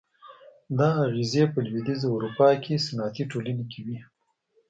دا اغېزې په لوېدیځه اروپا کې صنعتي ټولنې کې وې.